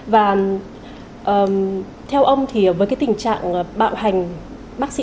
và theo ông thì với cái tình trạng bạo hành bác sĩ